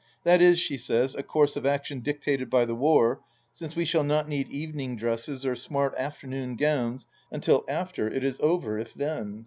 That is, she says, a course of action dictated by the war, since we shall not need evening dresses or smart afternoon gowns until after it is over, if then.